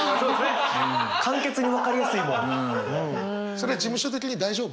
それ事務所的に大丈夫？